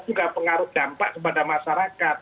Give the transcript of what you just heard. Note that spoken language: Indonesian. juga pengaruh dampak kepada masyarakat